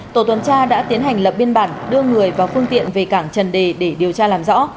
tổ tuần tra đã tiến hành lập biên bản đưa người và phương tiện về cảng trần đề để điều tra làm rõ